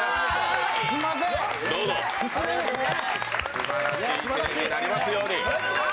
すばらしい１年になりますように。